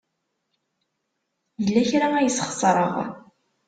Yella kra ay sxeṣreɣ.